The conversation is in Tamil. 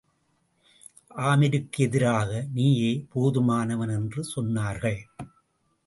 ஆமிருக்கு எதிராக, நீயே போதுமானவன் என்று சொன்னார்கள்.